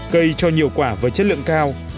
cây cho nhiều quả với chất lượng cao